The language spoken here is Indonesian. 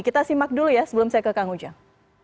kita simak dulu ya sebelum saya ke kang ujang